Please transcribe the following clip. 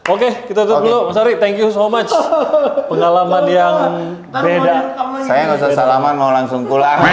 oke kita dulu sorry thank you so much pengalaman yang beda saya langsung